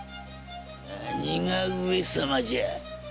何が上様じゃ！